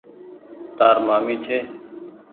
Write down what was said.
تآر مآمي ڇي۔